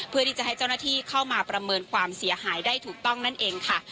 เพื่อที่จะให้เจ้าหน้าที่เข้ามาประเมินความเสียหายได้ถูกต้องนั่นเองค่ะ